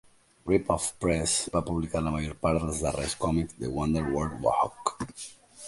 Rip Off Press va publicar la major part dels darrers còmics de Wonder Wart-Hog.